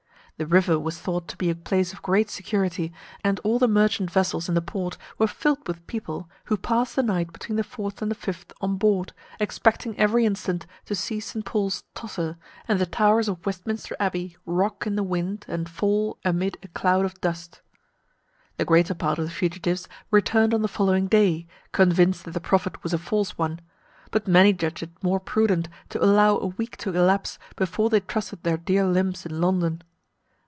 The river was thought to be a place of great security, and all the merchant vessels in the port were filled with people, who passed the night between the 4th and 5th on board, expecting every instant to see St. Paul's totter, and the towers of Westminster Abbey rock in the wind and fall amid a cloud of dust. The greater part of the fugitives returned on the following day, convinced that the prophet was a false one; but many judged it more prudent to allow a week to elapse before they trusted their dear limbs in London.